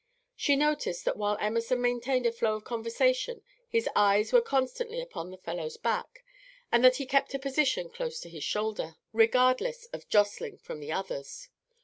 She noticed that while Emerson maintained a flow of conversation his eyes were constantly upon the fellow's back, and that he kept a position close to his shoulder, regardless of jostling from the others.